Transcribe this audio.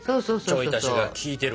ちょい足しが効いてるわ。